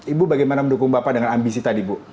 ibu bagaimana mendukung bapak dengan ambisi tadi bu